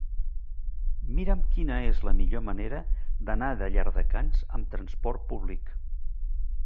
Mira'm quina és la millor manera d'anar a Llardecans amb trasport públic.